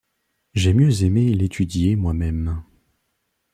J’ai mieux aimé l’étudier moi-même.